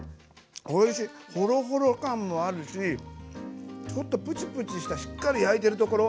ホロホロ感もあるしちょっとプチプチしたしっかり焼いてるところ。